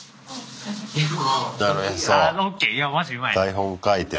台本書いて。